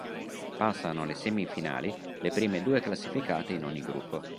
Passano alle semifinali le prime due classificate in ogni gruppo.